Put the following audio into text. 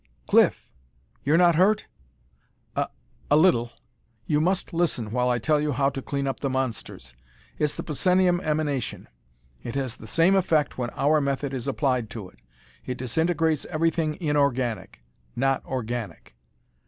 "Cliff, you're not hurt?" "A a little. You must listen while I tell you how to clean up the monsters. It's the psenium emanation. It has the same effect when our method is applied to it. It disintegrates everything inorganic not organic.